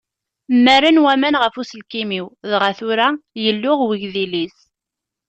Mmaren waman ɣef uselkim-iw dɣa tura yelluɣ wegdil-is.